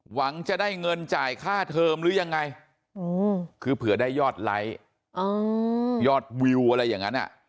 หวังจะได้เงินจ่ายค่าเทอมหรือยังไงคือเผื่อได้ยอดไลค์ยอดวิวอะไรอย่างนั้น